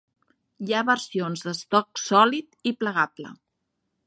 Hi ha versions d'estoc sòlid i plegable.